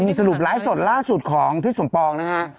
นี่สรุปไลฟ์สดล่าสุดของทิศสมปองนะฮะ